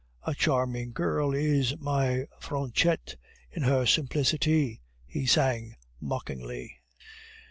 "A charming girl is my Fanchette In her simplicity," he sang mockingly.